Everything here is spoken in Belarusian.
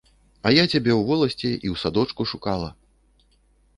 А я цябе ў воласці і ў садочку шукала.